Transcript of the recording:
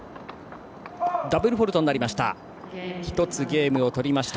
ダブルフォールトになりました。